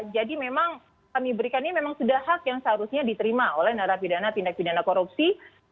jadi memang kami berikan ini memang sudah hak yang seharusnya diterima oleh narapidana tindak pidana korupsi